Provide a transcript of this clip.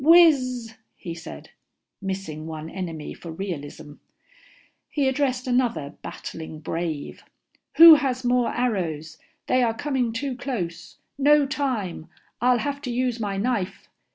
Wizzzz," he said, missing one enemy for realism. He addressed another battling brave. "Who has more arrows? They are coming too close. No time I'll have to use my knife."